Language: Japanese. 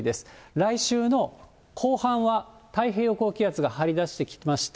来週の後半は太平洋高気圧が張り出してきまして、